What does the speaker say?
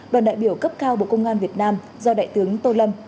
đoàn đại biểu cấp cao bộ công an việt nam do đại tướng tô lâm